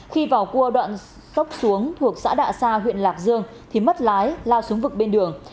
khi vào cua đoạn cốc xuống thuộc xã đạ sa huyện lạc dương thì mất lái lao xuống vực bên đường